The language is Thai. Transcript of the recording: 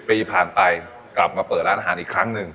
ปีผ่านไปกลับมาเปิดร้านอาหารอีกครั้งหนึ่ง